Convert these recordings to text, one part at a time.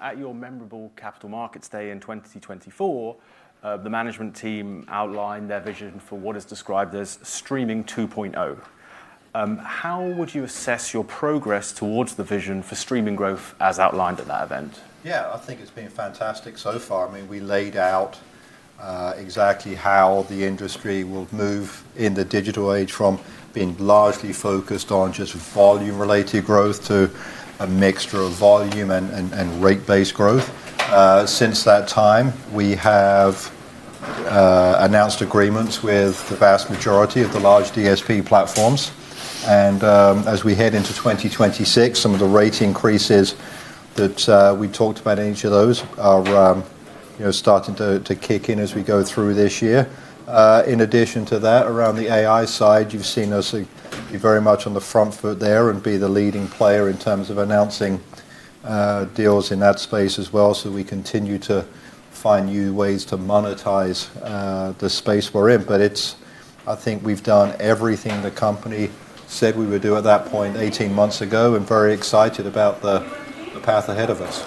At your memorable Capital Markets Day in 2024, the management team outlined their vision for what is described as Streaming 2.0. How would you assess your progress towards the vision for streaming growth as outlined at that event? Yeah, I think it's been fantastic so far. I mean, we laid out exactly how the industry will move in the digital age from being largely focused on just volume-related growth to a mixture of volume and rate-based growth. Since that time, we have announced agreements with the vast majority of the large DSP platforms. As we head into 2026, some of the rate increases that we talked about in each of those are, you know, starting to kick in as we go through this year. In addition to that, around the AI side, you've seen us be very much on the front foot there and be the leading player in terms of announcing deals in that space as well. We continue to find new ways to monetize the space we're in. I think we've done everything the company said we would do at that point 18 months ago and very excited about the path ahead of us.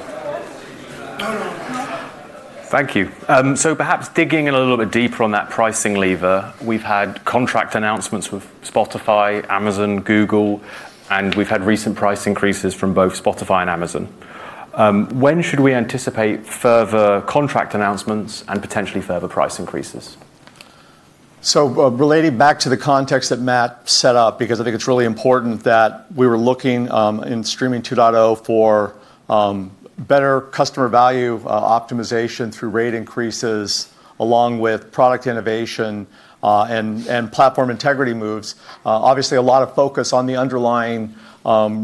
Thank you. Perhaps digging in a little bit deeper on that pricing lever, we've had contract announcements with Spotify, Amazon, Google, and we've had recent price increases from both Spotify and Amazon. When should we anticipate further contract announcements and potentially further price increases? Relating back to the context that Matt set up, because I think it's really important that we were looking in Streaming 2.0 for better customer value optimization through rate increases along with product innovation, and platform integrity moves. Obviously, a lot of focus on the underlying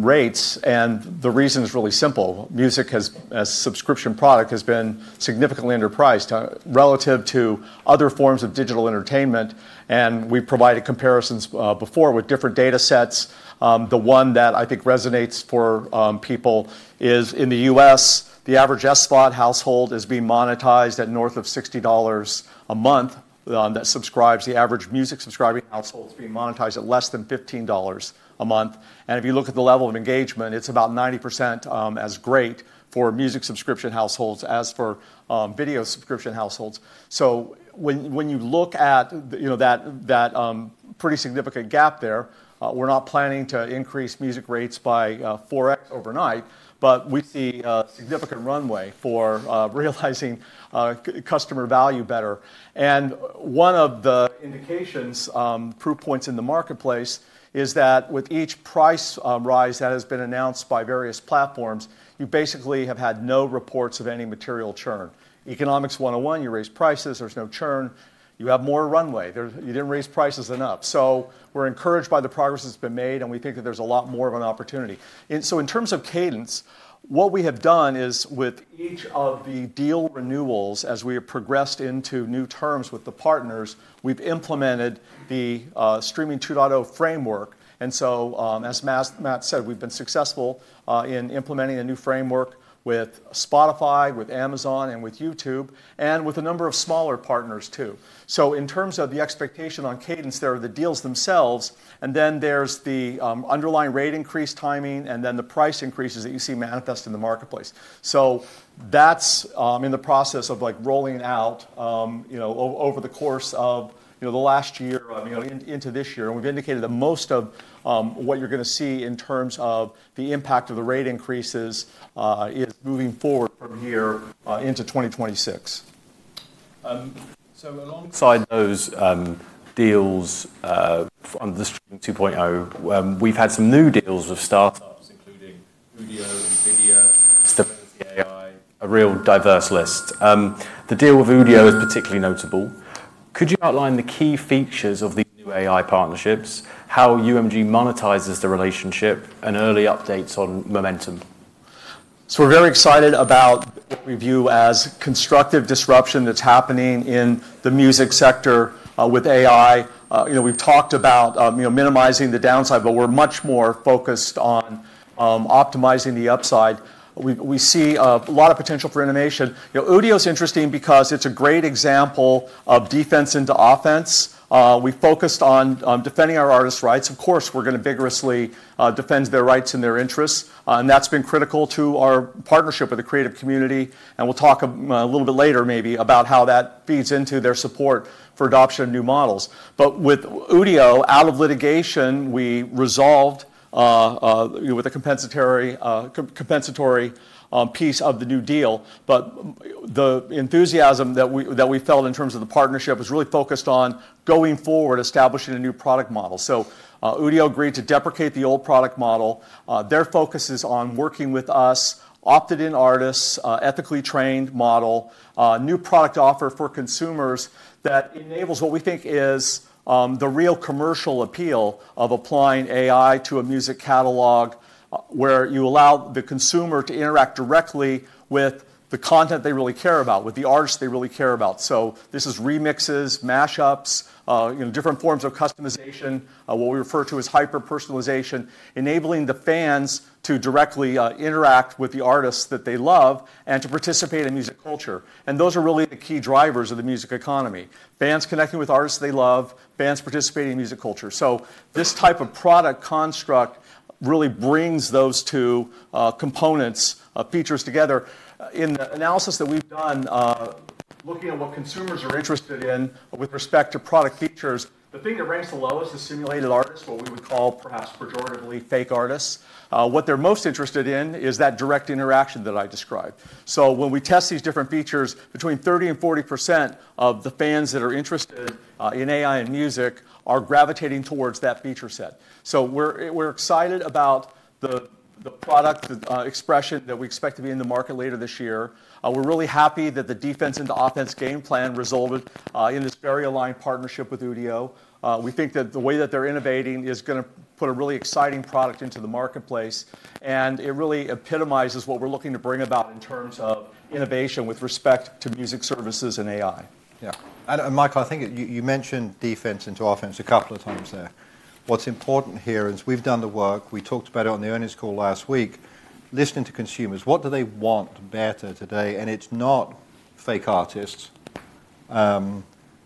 rates, and the reason is really simple. Music as a subscription product has been significantly underpriced relative to other forms of digital entertainment, and we've provided comparisons before with different datasets. The one that I think resonates for people is in the U.S., the average SVOD household is being monetized at north of $60 a month that subscribes. The average music subscribing household is being monetized at less than $15 a month. If you look at the level of engagement, it's about 90% as great for music subscription households as for video subscription households. When, when you look at, you know, that pretty significant gap there, we're not planning to increase music rates by 4x overnight, but we see a significant runway for realizing customer value better. One of the indications, proof points in the marketplace is that with each price rise that has been announced by various platforms, you basically have had no reports of any material churn. Economics 101, you raise prices, there's no churn, you have more runway. You didn't raise prices enough. We're encouraged by the progress that's been made, and we think that there's a lot more of an opportunity. In terms of cadence, what we have done is with each of the deal renewals, as we have progressed into new terms with the partners, we've implemented the Streaming 2.0 framework. As Matt said, we've been successful in implementing a new framework with Spotify, with Amazon, and with YouTube, and with a number of smaller partners too. In terms of the expectation on cadence, there are the deals themselves, and then there's the underlying rate increase timing and then the price increases that you see manifest in the marketplace. That's in the process of, like, rolling out, you know, over the course of, you know, the last year, you know, into this year. We've indicated that most of what you're gonna see in terms of the impact of the rate increases, is moving forward from here, into 2026. Alongside those deals from the Streaming 2.0, we've had some new deals with startups including Udio, NVIDIA, Stability AI, a real diverse list. The deal with Udio is particularly notable. Could you outline the key features of these new AI partnerships, how UMG monetizes the relationship, and early updates on momentum? We're very excited about what we view as constructive disruption that's happening in the music sector with AI. You know, we've talked about, you know, minimizing the downside, but we're much more focused on optimizing the upside. We see a lot of potential for innovation. You know, Udio is interesting because it's a great example of defense into offense. We focused on defending our artists' rights. Of course, we're gonna vigorously defend their rights and their interests. That's been critical to our partnership with the creative community, and we'll talk a little bit later maybe about how that feeds into their support for adoption of new models. With Udio, out of litigation, we resolved with a compensatory piece of the new deal. The enthusiasm that we felt in terms of the partnership is really focused on going forward establishing a new product model. Udio agreed to deprecate the old product model. Their focus is on working with us, opted-in artists, ethically trained model, new product offer for consumers that enables what we think is the real commercial appeal of applying AI to a music catalog, where you allow the consumer to interact directly with the content they really care about, with the artists they really care about. This is remixes, mashups, you know, different forms of customization, what we refer to as hyper-personalization, enabling the fans to directly interact with the artists that they love and to participate in music culture. Those are really the key drivers of the music economy. Fans connecting with artists they love, fans participating in music culture. This type of product construct really brings those two components, features together. In the analysis that we've done, looking at what consumers are interested in with respect to product features, the thing that ranks the lowest is simulated artists, what we would call perhaps pejoratively fake artists. What they're most interested in is that direct interaction that I described. When we test these different features, between 30%-40% of the fans that are interested in AI and music are gravitating towards that feature set. We're excited about the product, the expression that we expect to be in the market later this year. We're really happy that the defense and the offense game plan resulted in this very aligned partnership with Udio. We think that the way that they're innovating is gonna put a really exciting product into the marketplace, and it really epitomizes what we're looking to bring about in terms of innovation with respect to music services and AI. Yeah. Michael, I think you mentioned defense into offense a couple of times there. What's important here is we've done the work, we talked about it on the earnings call last week, listening to consumers. What do they want better today? It's not fake artists.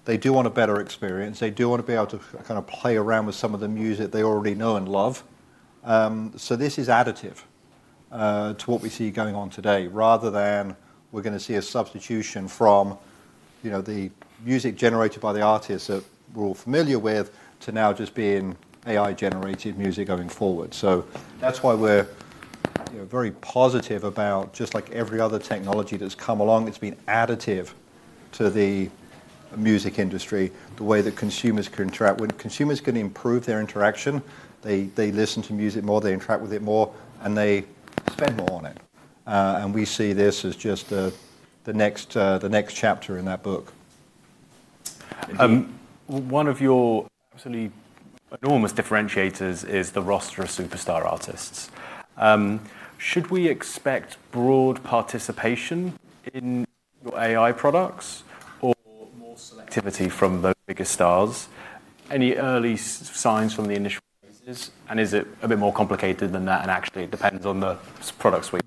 They do want a better experience. They do wanna be able to kinda play around with some of the music they already know and love. This is additive to what we see going on today rather than we're gonna see a substitution from, you know, the music generated by the artists that we're all familiar with to now just being AI-generated music going forward. That's why we're, you know, very positive about just like every other technology that's come along that's been additive to the music industry, the way that consumers can interact. When consumers can improve their interaction, they listen to music more, they interact with it more, and they spend more on it. We see this as just the next chapter in that book. One of your absolutely enormous differentiators is the roster of superstar artists. Should we expect broad participation in your AI products or more selectivity from the biggest stars? Any early signs from the initial phases, and is it a bit more complicated than that and actually depends on the products we...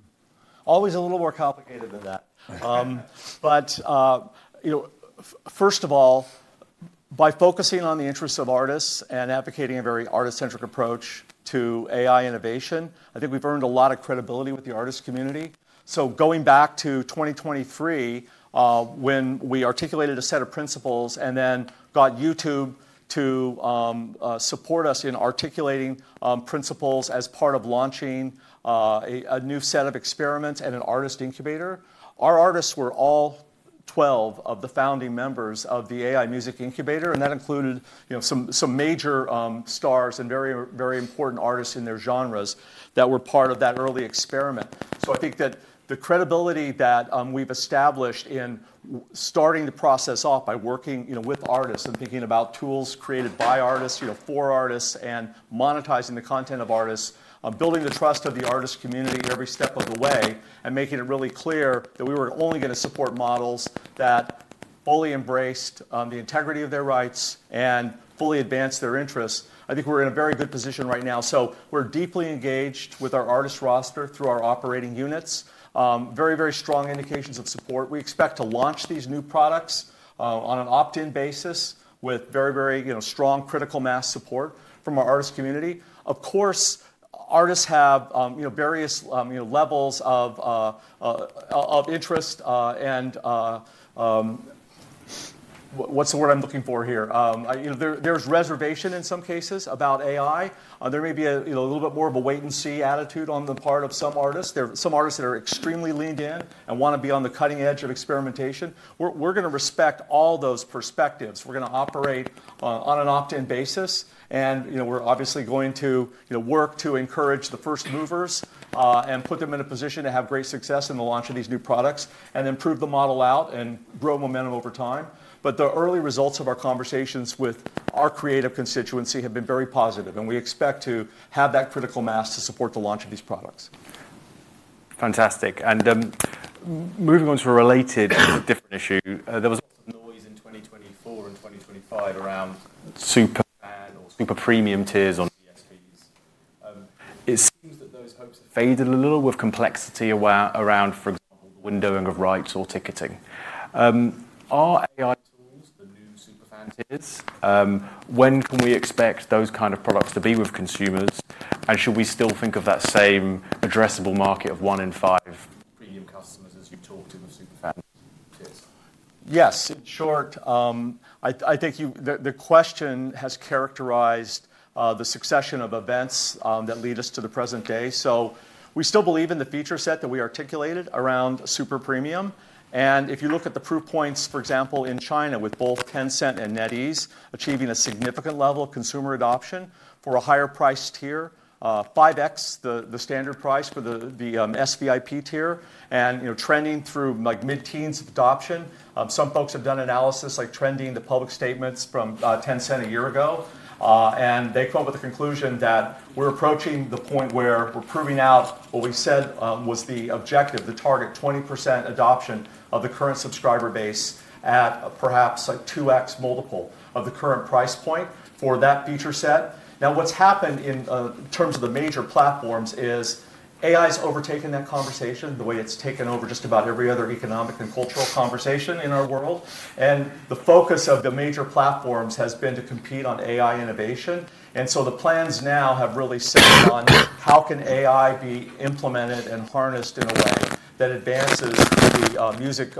Always a little more complicated than that. you know, first of all, by focusing on the interests of artists and advocating a very artist-centric approach to AI innovation, I think we've earned a lot of credibility with the artist community. Going back to 2023, when we articulated a set of principles and then got YouTube to support us in articulating principles as part of launching a new set of experiments and an artist incubator, our artists were all 12 of the founding members of the Music AI Incubator, and that included, you know, some major stars and very, very important artists in their genres that were part of that early experiment. I think that the credibility that we've established in starting the process off by working, you know, with artists and thinking about tools created by artists, you know, for artists and monetizing the content of artists, building the trust of the artist community every step of the way, and making it really clear that we were only gonna support models that fully embraced the integrity of their rights and fully advanced their interests, I think we're in a very good position right now. We're deeply engaged with our artist roster through our operating units. very, very strong indications of support. We expect to launch these new products on an opt-in basis with very, very, you know, strong critical mass support from our artist community. Of course, artists have, you know, various, you know, levels of interest, and. What's the word I'm looking for here? You know, there's reservation in some cases about AI. There may be a, you know, a little bit more of a wait and see attitude on the part of some artists. There are some artists that are extremely leaned in and wanna be on the cutting edge of experimentation. We're gonna respect all those perspectives. We're gonna operate on an opt-in basis and, you know, we're obviously going to, you know, work to encourage the first movers and put them in a position to have great success in the launch of these new products and then prove the model out and grow momentum over time. The early results of our conversations with our creative constituency have been very positive, and we expect to have that critical mass to support the launch of these products. Fantastic. Moving on to a related different issue, there was lots of noise in 2024 and 2025 around super fan or super premium tiers on DSPs. It seems that those hopes have faded a little with complexity around, for example, the windowing of rights or ticketing. Are AI tools the new super fan tiers? When can we expect those kind of products to be with consumers? Should we still think of that same addressable market of one in five premium customers as you talked in the super fan tiers? Yes. In short, I think the question has characterized the succession of events that lead us to the present day. We still believe in the feature set that we articulated around super premium, and if you look at the proof points, for example, in China with both Tencent and NetEase achieving a significant level of consumer adoption for a higher priced tier, 5x the standard price for the SVIP tier and, you know, trending through like mid-teens of adoption. Some folks have done analysis like trending the public statements from Tencent a year ago. They come up with the conclusion that we're approaching the point where we're proving out what we said was the objective, the target 20% adoption of the current subscriber base at perhaps like 2x multiple of the current price point for that feature set. Now, what's happened in terms of the major platforms is AI's overtaken that conversation the way it's taken over just about every other economic and cultural conversation in our world. The focus of the major platforms has been to compete on AI innovation. The plans now have really set on how can AI be implemented and harnessed in a way that advances the music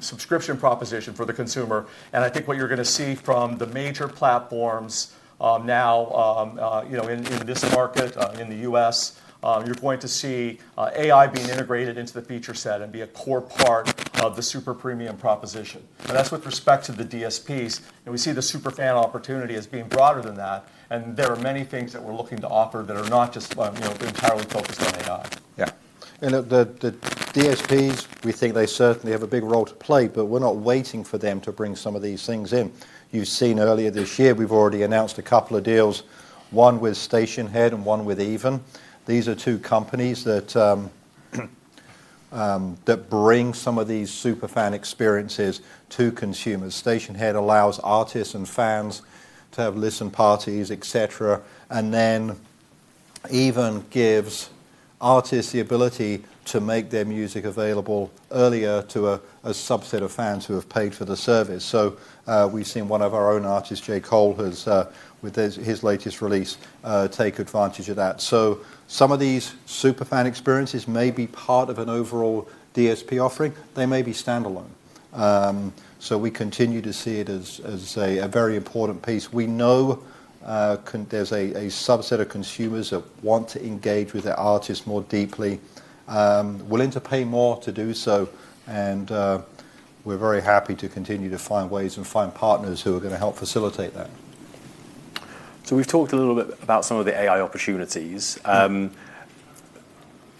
subscription proposition for the consumer. I think what you're gonna see from the major platforms, now, you know, in this market, in the U.S., you're going to see AI being integrated into the feature set and be a core part of the super premium proposition. That's with respect to the DSPs, and we see the super fan opportunity as being broader than that, and there are many things that we're looking to offer that are not just, you know, entirely focused on AI. The DSPs, we think they certainly have a big role to play, but we're not waiting for them to bring some of these things in. You've seen earlier this year we've already announced a couple of deals, one with Stationhead and one with EVEN. These are two companies that bring some of these super fan experiences to consumers. Stationhead allows artists and fans to have listen parties, et cetera. Then EVEN gives artists the ability to make their music available earlier to a subset of fans who have paid for the service. We've seen one of our own artists, J. Cole, has with his latest release, take advantage of that. Some of these super fan experiences may be part of an overall DSP offering, they may be standalone. We continue to see it as a very important piece. We know there's a subset of consumers that want to engage with their artists more deeply, willing to pay more to do so, and we're very happy to continue to find ways and find partners who are gonna help facilitate that. We've talked a little bit about some of the AI opportunities.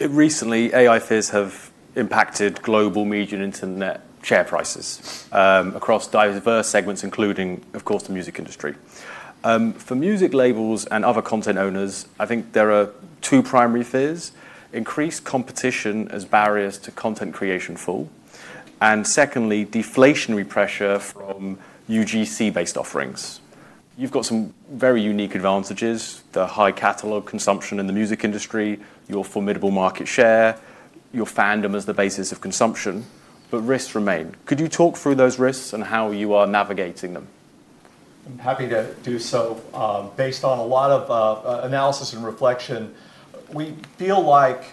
Recently, AI fears have impacted global media and internet share prices across diverse segments, including, of course, the music industry. For music labels and other content owners, I think there are two primary fears: increased competition as barriers to content creation fall, and secondly, deflationary pressure from UGC-based offerings. You've got some very unique advantages, the high catalog consumption in the music industry, your formidable market share, your fandom as the basis of consumption, but risks remain. Could you talk through those risks and how you are navigating them? I'm happy to do so. Based on a lot of analysis and reflection, we feel like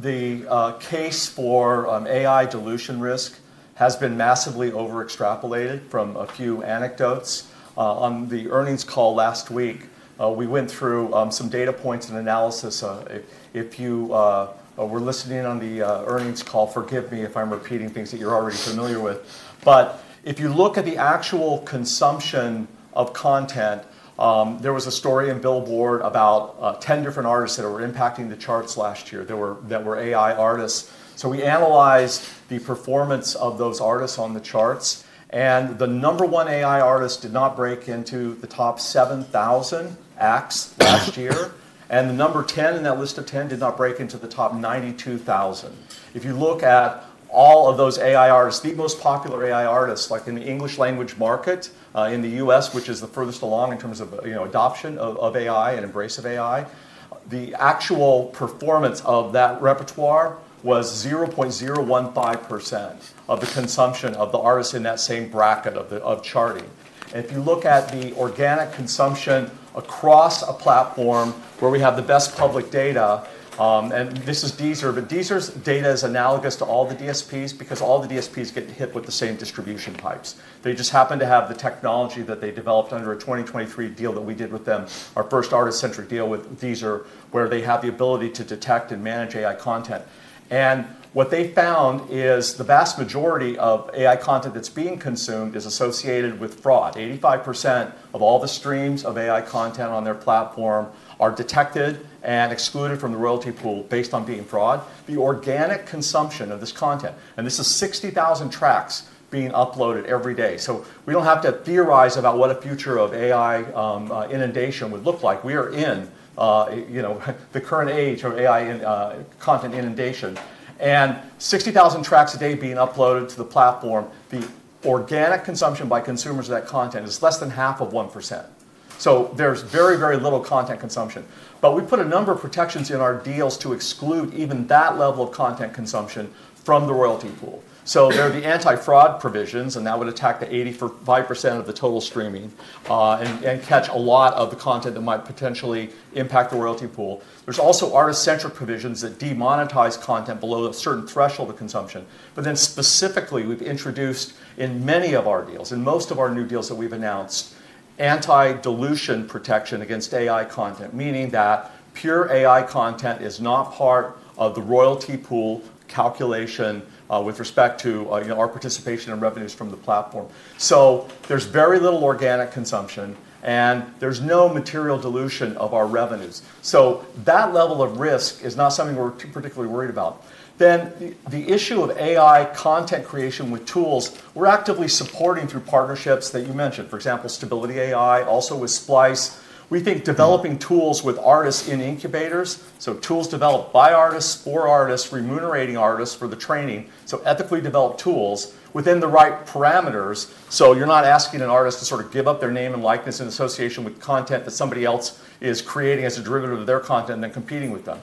the case for AI dilution risk has been massively overextrapolated from a few anecdotes. On the earnings call last week, we went through some data points and analysis. If, if you were listening in on the earnings call, forgive me if I'm repeating things that you're already familiar with. If you look at the actual consumption of content, there was a story in Billboard about 10 different artists that were impacting the charts last year that were AI artists. We analyzed the performance of those artists on the charts, and the number one AI artist did not break into the top 7,000 acts last year, and the number 10 in that list of 10 did not break into the top 92,000. If you look at all of those AI artists, the most popular AI artists, like in the English language market, in the U.S., which is the furthest along in terms of, you know, adoption of AI and embrace of AI, the actual performance of that repertoire was 0.015% of the consumption of the artists in that same bracket of charting. If you look at the organic consumption across a platform where we have the best public data, this is Deezer, but Deezer's data is analogous to all the DSPs because all the DSPs get hit with the same distribution pipes. They just happen to have the technology that they developed under a 2023 deal that we did with them, our first artist-centric deal with Deezer, where they have the ability to detect and manage AI content. What they found is the vast majority of AI content that's being consumed is associated with fraud. 85% of all the streams of AI content on their platform are detected and excluded from the royalty pool based on being fraud. The organic consumption of this content, and this is 60,000 tracks being uploaded every day. We don't have to theorize about what a future of AI inundation would look like. We are in, you know, the current age of AI in content inundation. 60,000 tracks a day being uploaded to the platform, the organic consumption by consumers of that content is less than half of 1%. There's very, very little content consumption. We put a number of protections in our deals to exclude even that level of content consumption from the royalty pool. There are the anti-fraud provisions, and that would attack the 85% of the total streaming, and catch a lot of the content that might potentially impact the royalty pool. There's also artist-centric provisions that demonetize content below a certain threshold of consumption. Specifically, we've introduced in many of our deals, in most of our new deals that we've announced, anti-dilution protection against AI content, meaning that pure AI content is not part of the royalty pool calculation, with respect to, you know, our participation and revenues from the platform. There's very little organic consumption, and there's no material dilution of our revenues. That level of risk is not something we're too particularly worried about. The issue of AI content creation with tools, we're actively supporting through partnerships that you mentioned, for example, Stability AI, also with Splice. We think developing tools with artists in incubators, so tools developed by artists or artists remunerating artists for the training, so ethically developed tools within the right parameters, so you're not asking an artist to sort of give up their name and likeness in association with content that somebody else is creating as a derivative of their content, and then competing with them.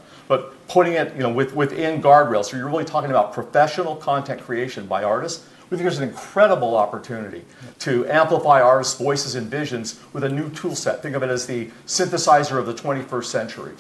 Putting it, you know, within guardrails so you're really talking about professional content creation by artists, we think there's an incredible opportunity to amplify artists' voices and visions with a new tool set. Think of it as the synthesizer of the 21st century.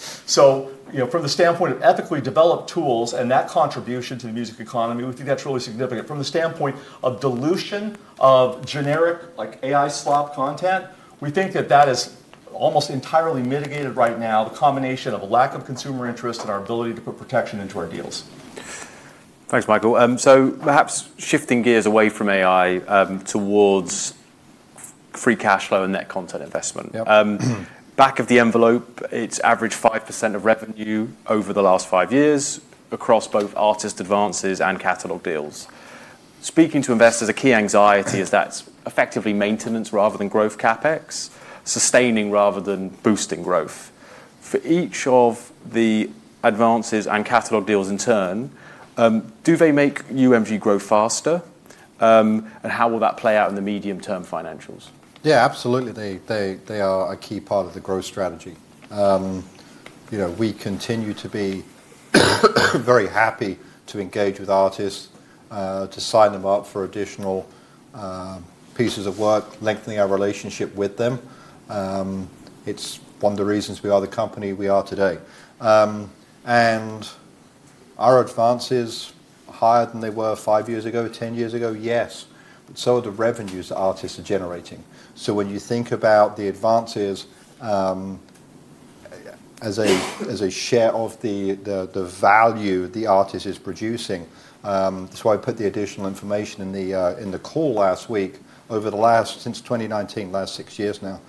You know, from the standpoint of ethically developed tools and that contribution to the music economy, we think that's really significant. From the standpoint of dilution of generic, like, AI slop content, we think that that is almost entirely mitigated right now, the combination of a lack of consumer interest and our ability to put protection into our deals. Thanks, Michael. Perhaps shifting gears away from AI, towards free cash flow and net content investment. Yep. Back of the envelope, it's average 5% of revenue over the last five years across both artist advances and catalog deals. Speaking to investors, a key anxiety is that's effectively maintenance rather than growth CapEx, sustaining rather than boosting growth. For each of the advances and catalog deals in turn, do they make UMG grow faster? How will that play out in the medium-term financials? Yeah, absolutely. They are a key part of the growth strategy. You know, we continue to be very happy to engage with artists, to sign them up for additional pieces of work, lengthening our relationship with them. It's one of the reasons we are the company we are today. Are advances higher than they were 5 years ago, 10 years ago? Yes. So are the revenues the artists are generating. When you think about the advances, as a share of the value the artist is producing. That's why I put the additional information in the call last week. Over the last, since 2019, the last six years now,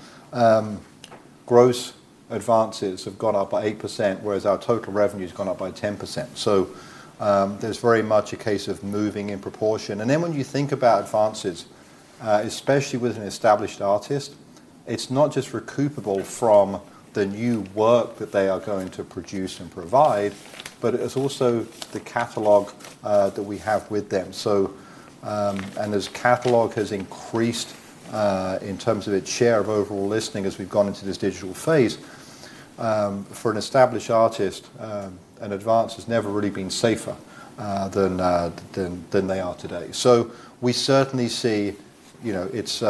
gross advances have gone up by 8%, whereas our total revenue's gone up by 10%. There's very much a case of moving in proportion. When you think about advances, especially with an established artist, it's not just recoupable from the new work that they are going to produce and provide, but it is also the catalog that we have with them. As catalog has increased in terms of its share of overall listening as we've gone into this digital phase, for an established artist, an advance has never really been safer than they are today. We certainly see, you know, it's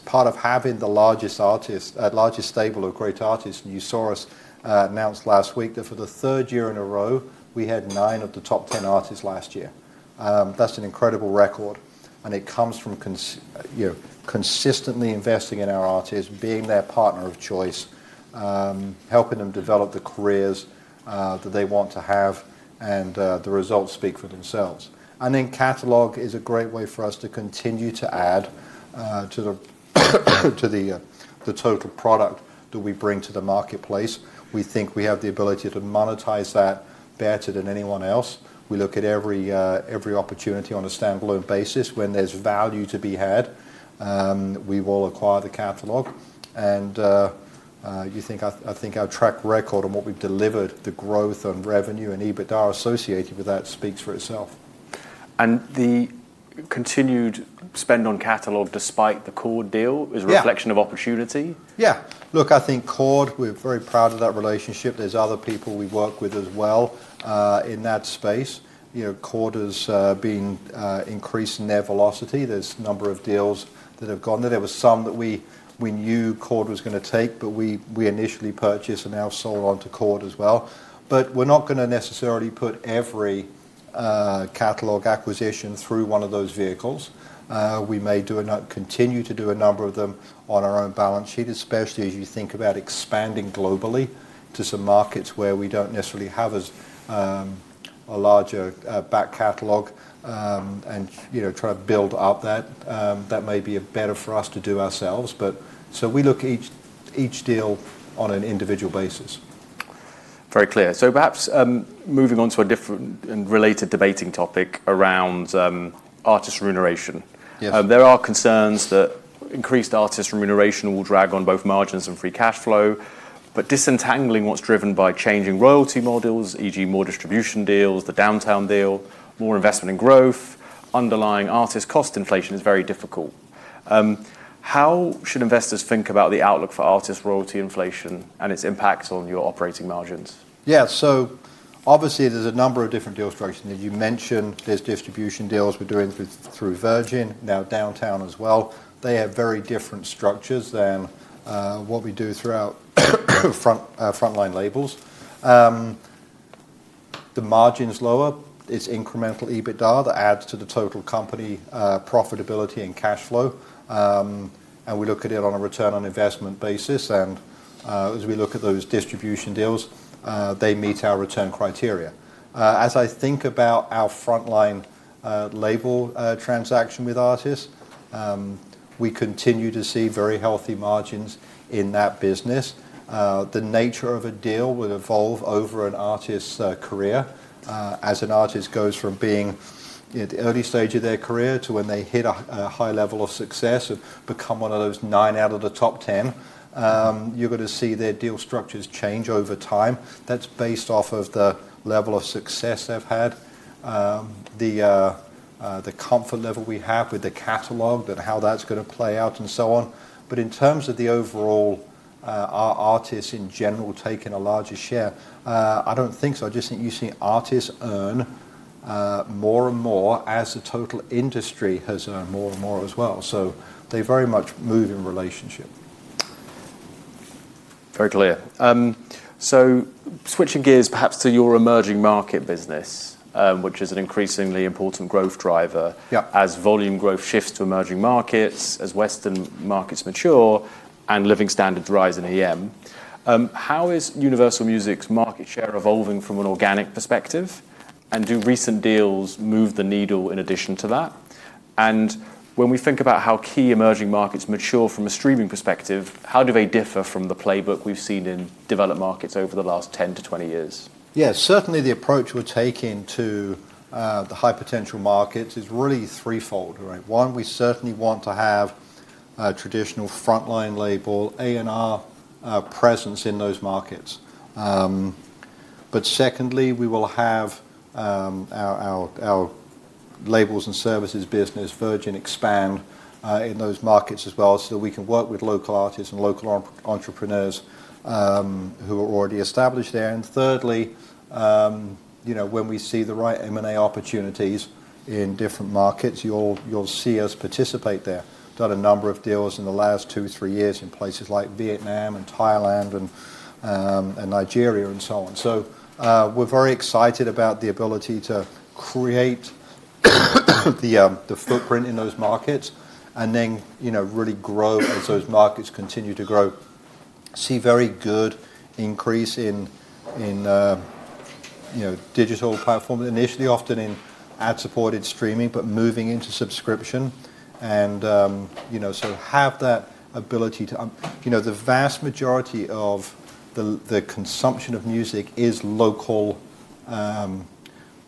part of having the largest artists, largest stable of great artists. You saw us announce last week that for the third year in a row, we had nine of the top 10 artists last year. That's an incredible record, and it comes from you know, consistently investing in our artists, being their partner of choice, helping them develop the careers that they want to have, the results speak for themselves. Catalog is a great way for us to continue to add to the total product that we bring to the marketplace. We think we have the ability to monetize that better than anyone else. We look at every opportunity on a standalone basis. When there's value to be had, we will acquire the catalog and I think our track record on what we've delivered, the growth of revenue and EBITDA associated with that speaks for itself. The continued spend on catalog despite the Chord deal. Yeah is a reflection of opportunity? Yeah. Look, I think Chord, we're very proud of that relationship. There's other people we work with as well, in that space. You know, Chord has been increasing their velocity. There's a number of deals that have gone there. There were some that we knew Chord was gonna take, but we initially purchased and now sold on to Chord as well. We're not gonna necessarily put every catalog acquisition through one of those vehicles. We may continue to do a number of them on our own balance sheet, especially as you think about expanding globally to some markets where we don't necessarily have as a larger back catalog, and, you know, try to build up that. That may be better for us to do ourselves. We look each deal on an individual basis. Very clear. Perhaps, moving on to a different and related debating topic around artist remuneration. Yes. There are concerns that increased artist remuneration will drag on both margins and free cash flow. Disentangling what's driven by changing royalty models, e.g., more distribution deals, the Downtown deal, more investment and growth, underlying artist cost inflation is very difficult. How should investors think about the outlook for artist royalty inflation and its impact on your operating margins? Obviously there's a number of different deals structures. You mentioned there's distribution deals we're doing through Virgin, now Downtown as well. They have very different structures than what we do throughout front, frontline labels. The margin's lower. It's incremental EBITDA that adds to the total company profitability and cash flow. We look at it on a return on investment basis. As we look at those distribution deals, they meet our return criteria. As I think about our frontline label transaction with artists, we continue to see very healthy margins in that business. The nature of a deal will evolve over an artist's career. As an artist goes from being in the early stage of their career to when they hit a high level of success or become one of those nine out of the top 10, you're gonna see their deal structures change over time. That's based off of the level of success they've had, the comfort level we have with the catalog and how that's gonna play out, and so on. In terms of the overall, are artists in general taking a larger share? I don't think so. I just think you see artists earn more and more as the total industry has earned more and more as well. They very much move in relationship. Very clear. Switching gears perhaps to your emerging market business, which is an increasingly important growth driver as volume growth shifts to emerging markets, as Western markets mature and living standards rise in EM. How is Universal Music's market share evolving from an organic perspective? Do recent deals move the needle in addition to that? When we think about how key emerging markets mature from a streaming perspective, how do they differ from the playbook we've seen in developed markets over the last 10 to 20 years? Yeah. Certainly, the approach we're taking to the high potential markets is really threefold, right? One, we certainly want to have a traditional frontline label, A&R presence in those markets. Secondly, we will have our labels and services business, Virgin, expand in those markets as well, so we can work with local artists and local entrepreneurs who are already established there. Thirdly, you know, when we see the right M&A opportunities in different markets, you'll see us participate there. Done a number of deals in the last two, three years in places like Vietnam and Thailand and Nigeria and so on. We're very excited about the ability to create the footprint in those markets and then, you know, really grow as those markets continue to grow. See very good increase in, you know, digital platform initially, often in ad-supported streaming, but moving into subscription. You know, so have that ability to. You know, the vast majority of the consumption of music is local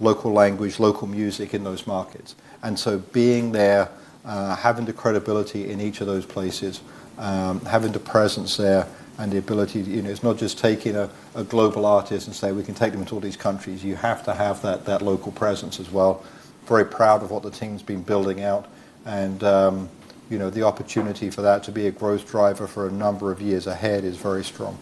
language, local music in those markets. Being there, having the credibility in each of those places, having the presence there and the ability to, you know, it's not just taking a global artist and say, "We can take them into all these countries." You have to have that local presence as well. Very proud of what the team's been building out and, you know, the opportunity for that to be a growth driver for a number of years ahead is very strong.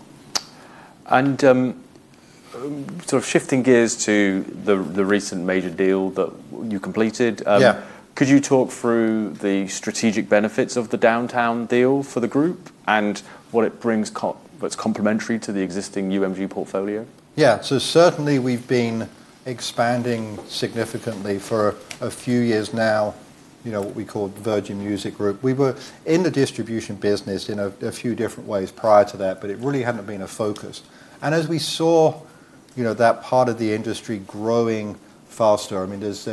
Sort of shifting gears to the recent major deal that you completed. Yeah. Could you talk through the strategic benefits of the Downtown deal for the group and what it brings what's complementary to the existing UMG portfolio? Yeah. Certainly we've been expanding significantly for a few years now, you know, what we call the Virgin Music Group. We were in the distribution business in a few different ways prior to that, but it really hadn't been a focus. As we saw, you know, that part of the industry growing faster, I mean, there's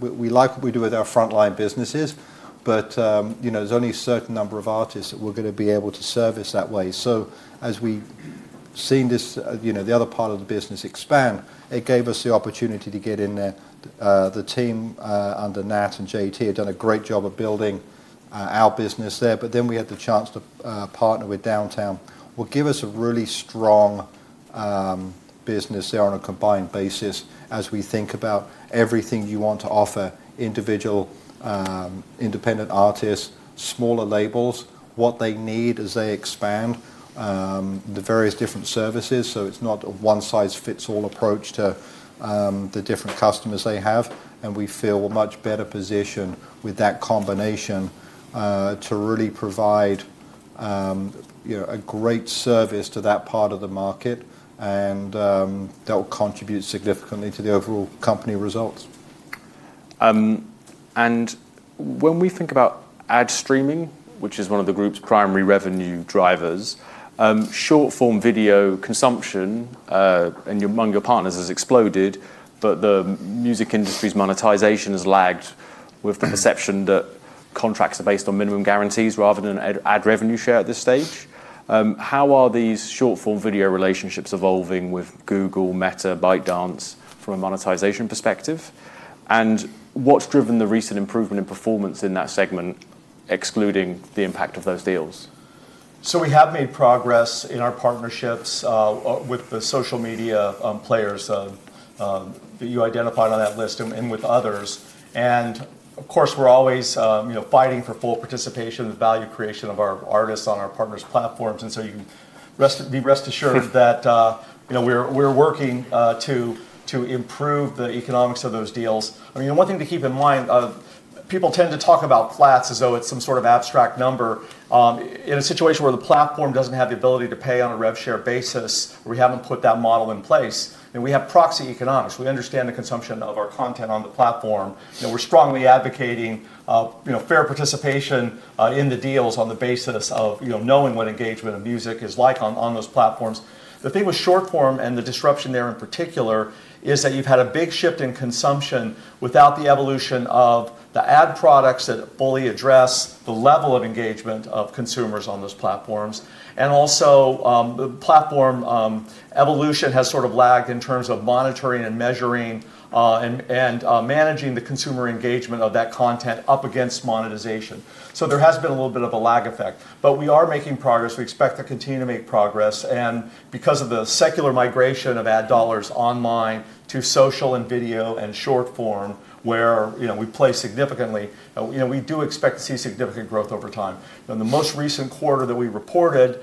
we like what we do with our frontline businesses, but, you know, there's only a certain number of artists that we're gonna be able to service that way. As we've seen this, you know, the other part of the business expand, it gave us the opportunity to get in there. The team under Nat and JT have done a great job of building our business there. We had the chance to partner with Downtown, will give us a really strong business there on a combined basis as we think about everything you want to offer individual independent artists, smaller labels, what they need as they expand the various different services, so it's not a one-size-fits-all approach to the different customers they have. We feel much better positioned with that combination to really provide, you know, a great service to that part of the market and that will contribute significantly to the overall company results. When we think about ad streaming, which is one of the group's primary revenue drivers, short-form video consumption among your partners has exploded, but the music industry's monetization has lagged with the perception that contracts are based on minimum guarantees rather than ad revenue share at this stage. How are these short-form video relationships evolving with Google, Meta, ByteDance from a monetization perspective? What's driven the recent improvement in performance in that segment, excluding the impact of those deals? We have made progress in our partnerships with the social media players that you identified on that list and with others. Of course, we're always, you know, fighting for full participation and value creation of our artists on our partners' platforms, and so you can rest assured that, you know, we're working to improve the economics of those deals. I mean, one thing to keep in mind, people tend to talk about flats as though it's some sort of abstract number. In a situation where the platform doesn't have the ability to pay on a rev share basis, we haven't put that model in place, and we have proxy economics. We understand the consumption of our content on the platform, and we're strongly advocating, you know, fair participation in the deals on the basis of, you know, knowing what engagement of music is like on those platforms. The thing with short-form and the disruption there in particular is that you've had a big shift in consumption without the evolution of the ad products that fully address the level of engagement of consumers on those platforms. Also, the platform evolution has sort of lagged in terms of monitoring and measuring, and, managing the consumer engagement of that content up against monetization. There has been a little bit of a lag effect, but we are making progress. We expect to continue to make progress. Because of the secular migration of ad dollars online to social and video and short-form where, you know, we play significantly, you know, we do expect to see significant growth over time. In the most recent quarter that we reported,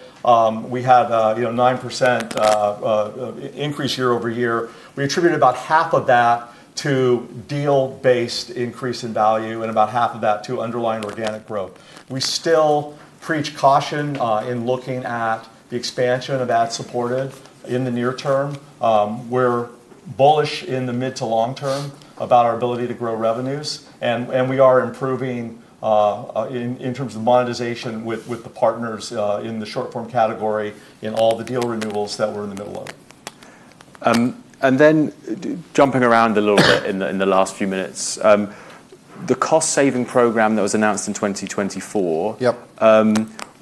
we had, you know, 9% increase year-over-year. We attributed about half of that to deal-based increase in value and about half of that to underlying organic growth. We still preach caution in looking at the expansion of ad-supported in the near term. We're bullish in the mid to long term about our ability to grow revenues. We are improving in terms of monetization with the partners in the short-form category in all the deal renewals that we're in the middle of. Jumping around a little bit in the, in the last few minutes. The cost-saving program that was announced in 2024. Yep.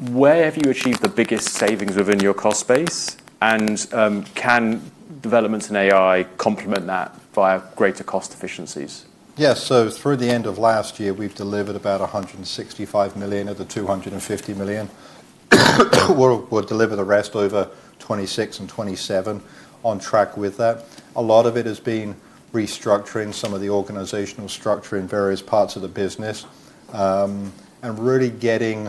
Where have you achieved the biggest savings within your cost base? Can developments in AI complement that via greater cost efficiencies? Yeah. Through the end of last year, we've delivered about 165 million of the 250 million. We'll deliver the rest over 2026 and 2027, on track with that. A lot of it has been restructuring some of the organizational structure in various parts of the business, and really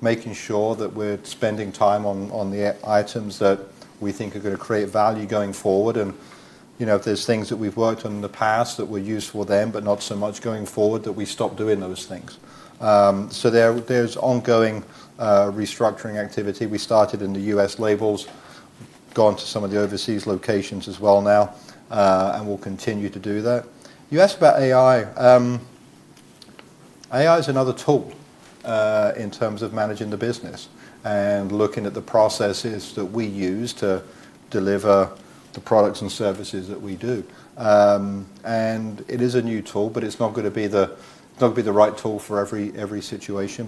making sure that we're spending time on the items that we think are gonna create value going forward. You know, if there's things that we've worked on in the past that were useful then but not so much going forward, that we stop doing those things. There's ongoing restructuring activity. We started in the U.S. labels, gone to some of the overseas locations as well now, We'll continue to do that. You asked about AI. AI is another tool in terms of managing the business and looking at the processes that we use to deliver the products and services that we do. It is a new tool, but it's not gonna be the right tool for every situation.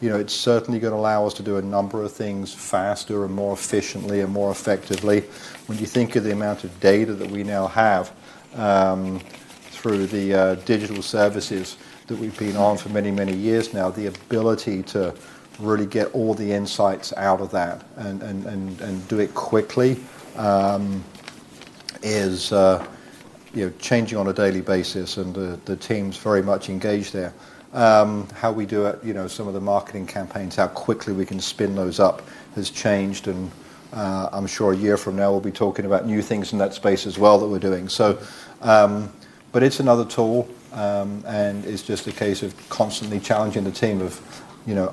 You know, it's certainly gonna allow us to do a number of things faster and more efficiently and more effectively. When you think of the amount of data that we now have through the digital services that we've been on for many, many years now, the ability to really get all the insights out of that and do it quickly is, you know, changing on a daily basis, and the team's very much engaged there. How we do it, you know, some of the marketing campaigns, how quickly we can spin those up has changed, and I'm sure a year from now we'll be talking about new things in that space as well that we're doing. It's another tool. It's just a case of constantly challenging the team of, you know,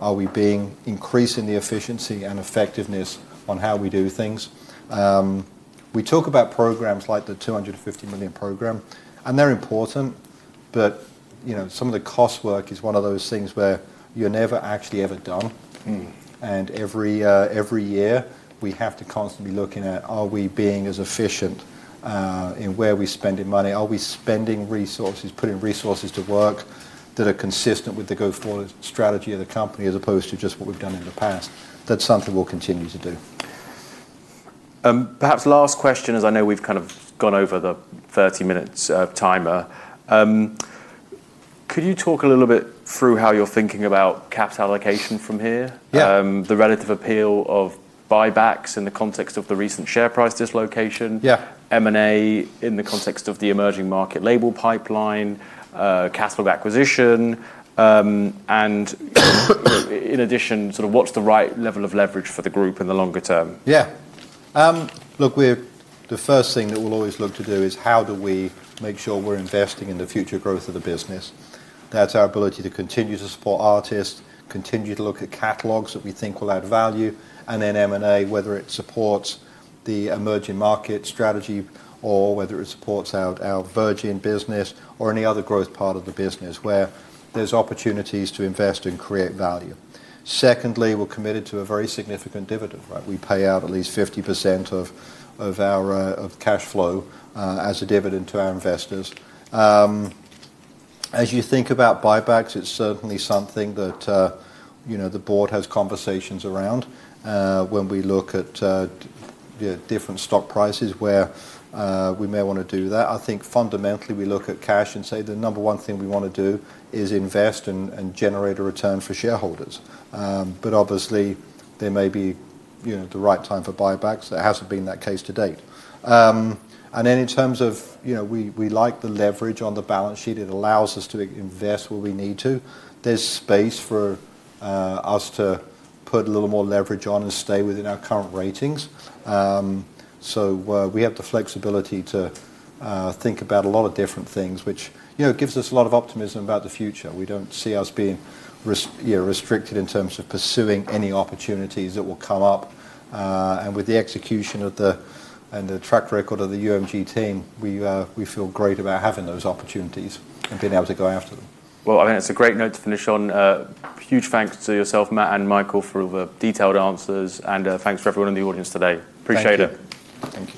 increasing the efficiency and effectiveness on how we do things. We talk about programs like the 250 million program. They're important. You know, some of the cost work is one of those things where you're never actually ever done. Every year, we have to constantly be looking at are we being as efficient, in where we're spending money? Are we spending resources, putting resources to work that are consistent with the go-forward strategy of the company as opposed to just what we've done in the past? That's something we'll continue to do. Perhaps last question, as I know we've kind of gone over the 30 minutes, timer. Could you talk a little bit through how you're thinking about capital allocation from here? Yeah. The relative appeal of buybacks in the context of the recent share price dislocation. Yeah. M&A in the context of the emerging market label pipeline, catalog acquisition, in addition, sort of what's the right level of leverage for the group in the longer term? Yeah. Look, the first thing that we'll always look to do is how do we make sure we're investing in the future growth of the business. That's our ability to continue to support artists, continue to look at catalogs that we think will add value, and then M&A, whether it supports the emerging market strategy or whether it supports our Virgin business or any other growth part of the business where there's opportunities to invest and create value. Secondly, we're committed to a very significant dividend, right? We pay out at least 50% of our cash flow as a dividend to our investors. As you think about buybacks, it's certainly something that, you know, the board has conversations around when we look at the different stock prices where we may wanna do that. I think fundamentally we look at cash and say the number one thing we wanna do is invest and generate a return for shareholders. Obviously there may be, you know, the right time for buybacks. That hasn't been that case to date. Then in terms of, you know, we like the leverage on the balance sheet. It allows us to invest where we need to. There's space for us to put a little more leverage on and stay within our current ratings. We have the flexibility to think about a lot of different things, which, you know, gives us a lot of optimism about the future. We don't see us being restricted in terms of pursuing any opportunities that will come up. With the execution of the track record of the UMG team, we feel great about having those opportunities and being able to go after them. Well, I think that's a great note to finish on. huge thanks to yourself, Matt, and Michael for all the detailed answers, and, thanks for everyone in the audience today. Appreciate it. Thank you. Thank you.